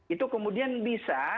itu kemudian bisa